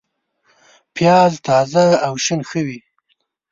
پیاز تازه او شین ښه وي